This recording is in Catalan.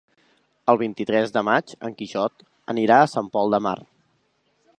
El vint-i-tres de maig en Quixot anirà a Sant Pol de Mar.